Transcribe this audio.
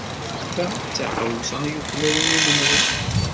Ta d taɣawsa ay yuklalen imenɣi.